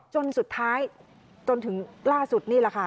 จนถึงล่าสุดนี่แหละค่ะ